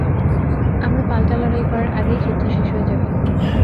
আমরা পাল্টা লড়াই করার আগেই যুদ্ধ শেষ হয়ে যাবে।